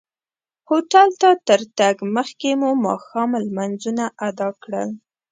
هوټل ته تر تګ مخکې مو ماښام لمونځونه ادا کړل.